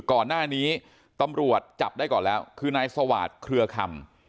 ก่อนหน้านี้ตำรวจจับได้ก่อนแล้วคือนายสวาสเครือคำ